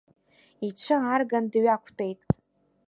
Иҽы аарган дҩақәтәеит.